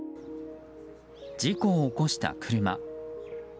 事故を起こした車。